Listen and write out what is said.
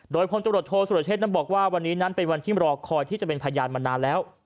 โดยพลตรวจโทษสุรเชษนั้นบอกว่าวันนี้นั้นเป็นวันที่รอคอยที่จะเป็นพยานมานานแล้ว